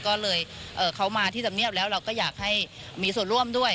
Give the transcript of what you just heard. ก็เลยเขามาที่ธรรมเนียบแล้วเราก็อยากให้มีส่วนร่วมด้วย